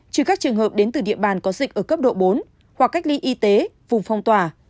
trừ các trường hợp đến từ địa bàn có dịch ở cấp độ bốn hoặc cách ly y tế vùng phong tỏa